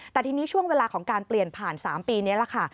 แต่ทีนี้ช่วงเวลาของการเปลี่ยนผ่าน๓ปีนี้แหละค่ะ